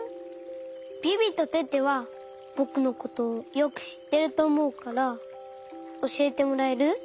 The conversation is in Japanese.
ビビとテテはぼくのことよくしってるとおもうからおしえてもらえる？